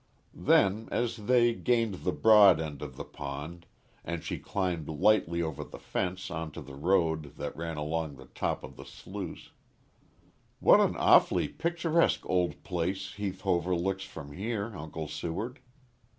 Then, as they gained the broad end of the pond, and she climbed lightly over the fence on to the road that ran along the top of the sluice "What an awfully picturesque old place Heath Hover looks from here, Uncle Seward.